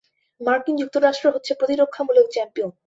মার্কিন যুক্তরাষ্ট্র হচ্ছে প্রতিরক্ষামূলক চ্যাম্পিয়ন।